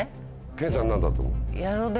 研さん何だと思う？